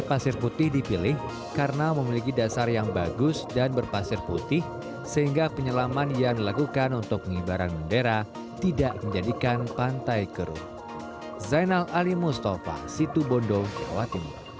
pasir putih sehingga penyelaman yang dilakukan untuk pengibaran bendera tidak menjadikan pantai keruh